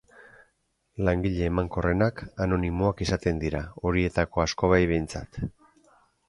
Langile emankorrenak anonimoak izaten dira, horietako asko bai behintzat.